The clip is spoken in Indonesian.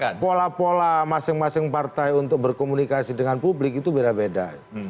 ya pola pola masing masing partai untuk berkomunikasi dengan publik itu beda beda